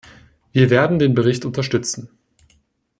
Wir werden den Bericht unterstützen.